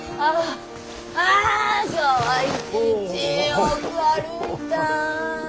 あ今日は一日よく歩いた。